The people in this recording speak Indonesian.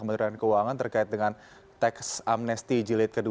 pemerintah kementerian keuangan terkait dengan tax amnesty jilid ke dua